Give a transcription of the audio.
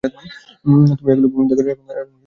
ভূমি এগুলোর দিকে অগ্রসর হল এবং তারা সে দিকে তাকাল।